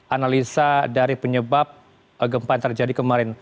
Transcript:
analisa dari penyebab gempa yang terjadi kemarin